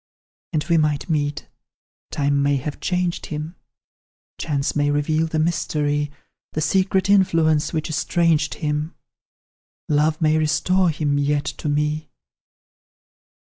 "And we might meet time may have changed him; Chance may reveal the mystery, The secret influence which estranged him; Love may restore him yet to me.